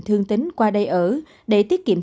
thương tính qua đây ở để tiết kiệm